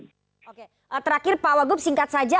oke terakhir pak wagub singkat saja